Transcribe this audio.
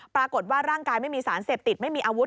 ปรากฏว่าร่างกายไม่มีสารเสพติดไม่มีอาวุธ